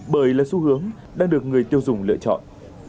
bởi là xu hướng đang được người tiêu dùng lựa chọn